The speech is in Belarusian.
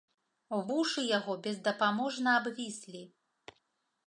Вушы яго бездапаможна абвіслі.